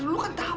lu kan tau